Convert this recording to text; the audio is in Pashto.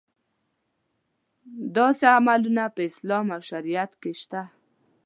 داسې عملونه په اسلام او شریعت کې شته.